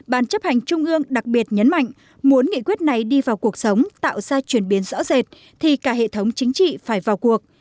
ban chấp hành trung ương đặc biệt nhấn mạnh muốn nghị quyết này đi vào cuộc sống tạo ra chuyển biến rõ rệt thì cả hệ thống chính trị phải vào cuộc